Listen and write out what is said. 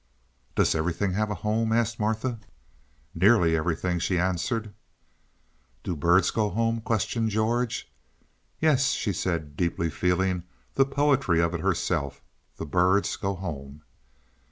"Does everything have a home?" asked Martha. "Nearly everything," she answered. "Do the birds go home?" questioned George. "Yes," she said, deeply feeling the poetry of it herself, "the birds go home."